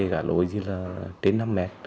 cả lối chỉ là trên năm m